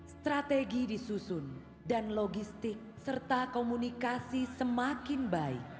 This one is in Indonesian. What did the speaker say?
strategi disusun dan logistik serta komunikasi semakin baik